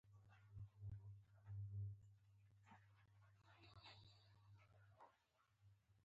هوښیاران په هر څه کې ځان ته لار پیدا کوي.